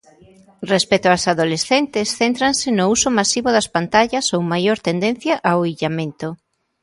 Respecto ás adolescentes, céntranse no uso masivo das pantallas ou maior tendencia ao illamento.